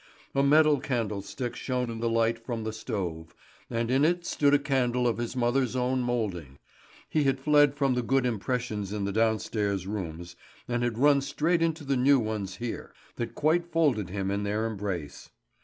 A metal candlestick shone in the light from the stove, and in it stood a candle of his mother's own moulding. He had fled from the good impressions in the downstairs rooms, and had run straight into the new ones here, that quite folded him in their embrace.